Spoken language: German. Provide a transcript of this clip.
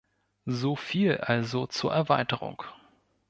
Soviel also zur Erweiterung.